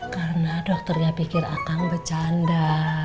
karena dokter gak pikir akang bercanda